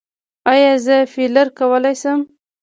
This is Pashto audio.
ایا زه فیلر کولی شم؟